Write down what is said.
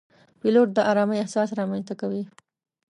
پیلوټ د آرامۍ احساس رامنځته کوي.